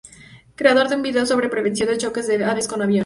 Creador de un vídeo sobre prevención de choques de aves con aviones.